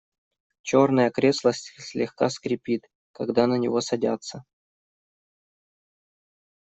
Черное кресло слегка скрипит, когда на него садятся.